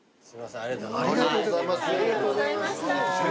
ありがとうございます。